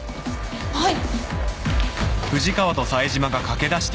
はい。